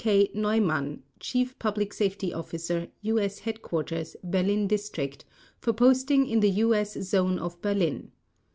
K. Neumann, Chief Public Safety Officer, U. S. Headquarters, Berlin District, for posting in the U.S. Zone of Berlin.